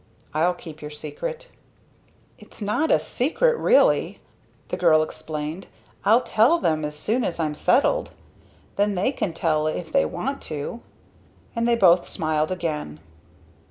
I'll keep your secret " "Its not a secret really," the girl explained, "I'll tell them as soon as I'm settled. Then they can tell if they want to." And they both smiled again.